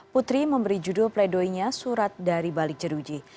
putri memberi judul pledoinya surat dari balik jeruji